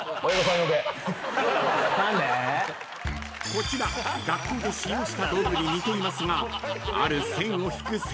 ［こちら学校で使用した道具に似ていますが］